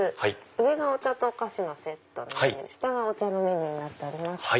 上がお茶とお菓子のセットので下がお茶のメニューになってます。